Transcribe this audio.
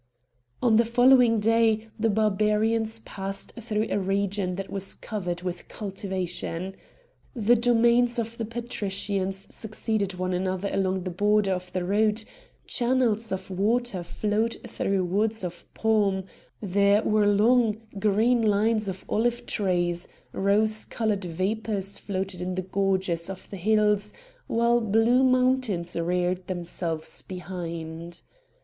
On the following day the Barbarians passed through a region that was covered with cultivation. The domains of the patricians succeeded one another along the border of the route; channels of water flowed through woods of palm; there were long, green lines of olive trees; rose coloured vapours floated in the gorges of the hills, while blue mountains reared themselves behind.